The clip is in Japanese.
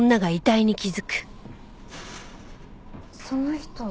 その人。